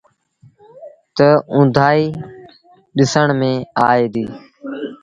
تا اُندآئي ڏسڻ ميݩ آئي ديٚ۔